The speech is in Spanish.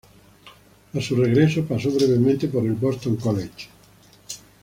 A su regreso pasó brevemente por el Boston College.